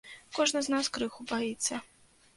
Кожны з нас крыху баіцца.